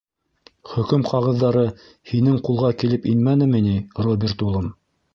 Хөкөм ҡағыҙҙары һинең ҡулға килеп инмәнеме ни, Роберт улым?